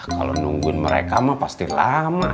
kalau nungguin mereka mah pasti lama